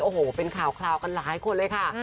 โอ้โหเป็นข่าวกันหลายคนเลยค่ะ